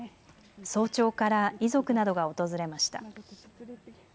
早朝から遺族などが訪れました。